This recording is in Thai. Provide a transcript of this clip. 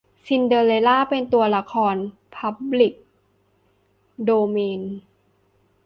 ซินเดอเรลล่า เป็นตัวละครพับลิกโดเมน